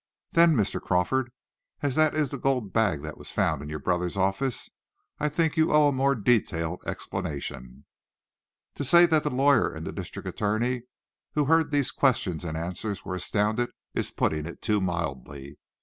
"Then, Mr. Crawford, as that is the gold bag that was found in your brother's office, I think you owe a more detailed explanation." To say that the lawyer and the district attorney, who heard these questions and answers, were astounded, is putting it too mildly.